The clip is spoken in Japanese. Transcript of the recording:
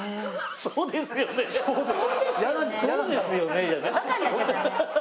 そうですよねじゃ。